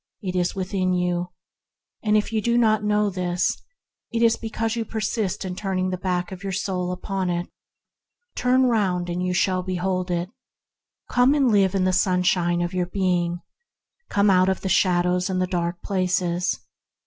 It is within you; and if you do not know this, it is because you persist in turning the back of your soul upon it. Turn around and you shall behold it. Come and live in the sunshine of your being. Come out of the shadows and the dark places.